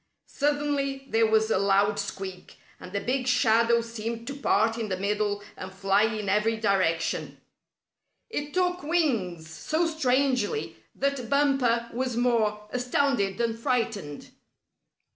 Suddenly there was a loud squeak, and the big shadow seemed to part in the middle and fly in every direction. It took wings so strangely that Bumper was more astounded than frightened.